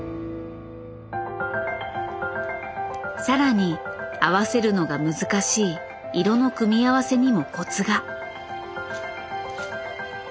さらに合わせるのが難しい色の組み合わせにもコツが。